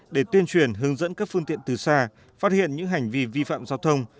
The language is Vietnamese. để tuyên truyền hướng dẫn các phương tiện từ xa phát hiện những hành vi vi phạm giao thông